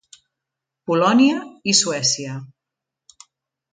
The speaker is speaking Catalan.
Polònia i Suècia.